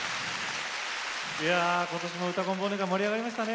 ことしも「うたコン」忘年会盛り上がりましたね。